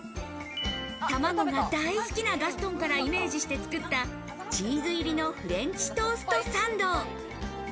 卵が大好きなガストンからイメージして作ったチーズ入りのフレンチトーストサンド。